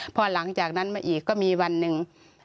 พอหลังจากนั้นมาอีกก็มีวันหนึ่ง